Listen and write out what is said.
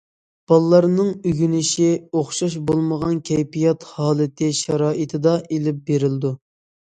بالىلارنىڭ ئۆگىنىشى، ئوخشاش بولمىغان كەيپىيات ھالىتى شارائىتىدا ئېلىپ بېرىلىدۇ.